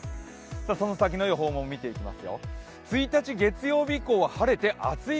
その先の予報も見ていきます。